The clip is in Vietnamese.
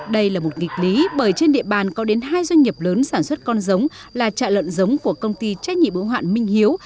đây là một nghịch lý bởi trên địa bàn có đến hai doanh nghiệp lớn sản xuất con giống là trại lợn giống của công ty trách nhiệm ứng hoạn minh hiếu